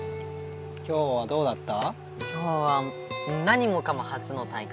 今日はどうだった？